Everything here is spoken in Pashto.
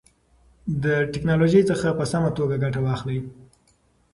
د تکنالوژۍ څخه په سمه توګه ګټه واخلئ.